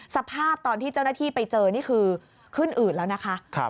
สภาพตอนที่เจ้าหน้าที่ไปเจอนี่คือขึ้นอืดแล้วนะคะ